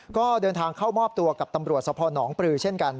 ก็เดินทางเข้ามอบตัวกับตำรวจสพนปลือเช่นกัน